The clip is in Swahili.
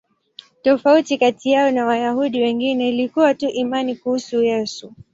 Tofauti kati yao na Wayahudi wengine ilikuwa tu imani kuhusu Yesu.